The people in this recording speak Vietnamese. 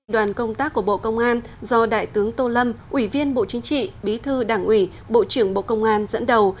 đoàn công tác của bộ công an do đại tướng tô lâm ủy viên bộ chính trị bí thư đảng ủy bộ trưởng bộ công an dẫn đầu